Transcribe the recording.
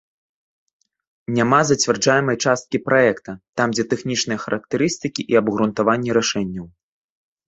Няма зацвярджаемай часткі праекта, там дзе тэхнічныя характарыстыкі і абгрунтаванні рашэнняў.